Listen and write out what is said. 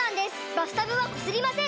バスタブはこすりません！